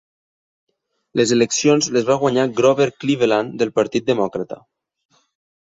Les eleccions les va guanyar Grover Cleveland del Partit Demòcrata.